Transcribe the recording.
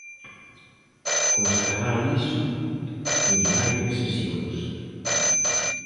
Constará iso no Diario de Sesións.